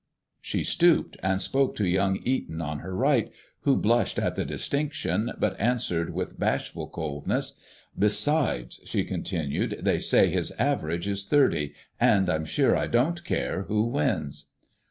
She stooped and spoke to young Eton on her right, who blushed at the distinction, but answered with bashful coldness. "Besides," she continued, "they say his average is thirty, and I'm sure I don't care who wins."